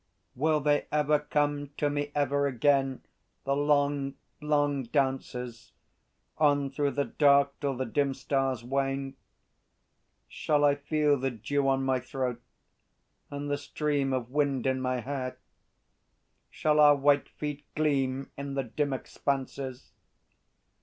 _ Will they ever come to me, ever again, The long long dances, On through the dark till the dim stars wane? Shall I feel the dew on my throat, and the stream Of wind in my hair? Shall our white feet gleam In the dim expanses?